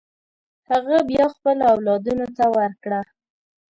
هغه بیا خپلو اولادونو ته ورکړه.